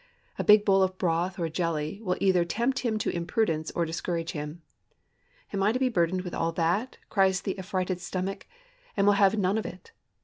A big bowl of broth or jelly will either tempt him to imprudence, or discourage him. "Am I to be burdened with all that?" cries the affrighted stomach, and will have none of it.